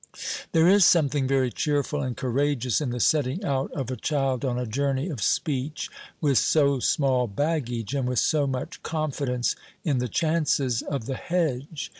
There is something very cheerful and courageous in the setting out of a child on a journey of speech with so small baggage and with so much confidence in the chances of the hedge.